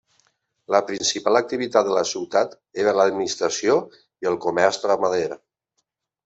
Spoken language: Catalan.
La principal activitat de la ciutat era l'administració i el comerç ramader.